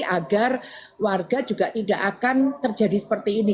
agar warga juga tidak akan terjadi seperti ini